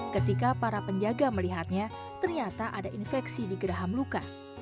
ketika para penjaga melihatnya ternyata ada infeksi di geraham luka